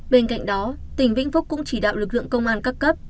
bên cạnh đó tỉnh vĩnh phúc cũng chỉ đạo lực lượng công an các cấp